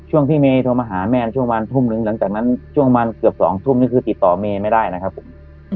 ช่วงที่เมย์โทรมาหาแม่ช่วงประมาณทุ่มหนึ่งหลังจากนั้นช่วงประมาณเกือบ๒ทุ่มนี่คือติดต่อเมย์ไม่ได้นะครับผม